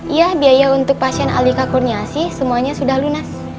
iya biaya untuk pasien alika kurniasi semuanya sudah lunas